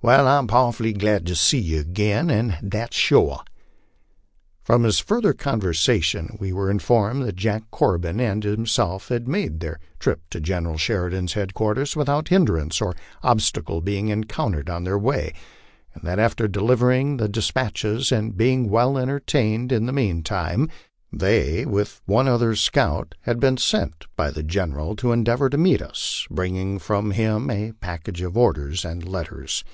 Wai, I'm powerful glad to see yer agin, an' that's sure." From his further conversation we were informed that Jack Corbin and him self had made their trip to General Sheridan's headquarters without hindrance or obstacle being encountered on their way, and that after delivering the des patches and being well entertained in the mean time, they, with one other scout, bad been sent by the General to endeavor to meet us, bringing from him a package of orders and letters.